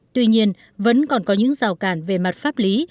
tuy nhiên vẫn còn có những rào cản về mặt pháp lý